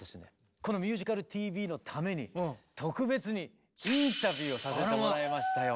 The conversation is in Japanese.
この「ミュージカルＴＶ」のために特別にインタビューをさせてもらいましたよ！